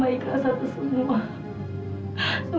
padilah bapak bersumpah juga om